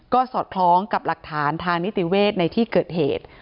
ก็สอดคล้องกับหลักฐานทางนิติเวศในที่เกิดเหตุ